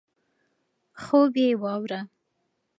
خوب یې واوره.